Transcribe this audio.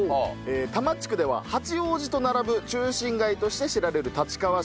多摩地区では八王子と並ぶ中心街として知られる立川市。